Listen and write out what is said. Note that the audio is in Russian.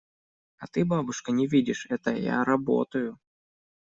– А ты, бабушка, не видишь – это я работаю.